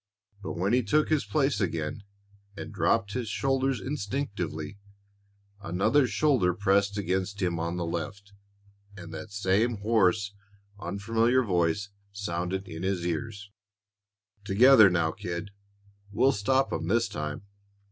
But when he took his place again and dropped his shoulders instinctively, another shoulder pressed against him on the left, and that same hoarse, unfamiliar voice sounded in his ears: "Together now, kid; we'll stop 'em this time!"